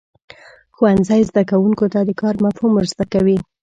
ښوونځی زده کوونکو ته د کار مفهوم ورزده کوي.